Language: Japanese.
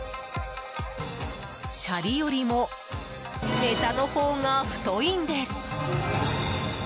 シャリよりもネタのほうが太いんです。